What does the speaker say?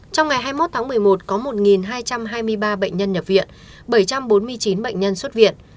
trong ngày hai mươi một tháng một mươi một có một hai trăm hai mươi ba bệnh nhân nhập viện bảy trăm bốn mươi chín bệnh nhân xuất viện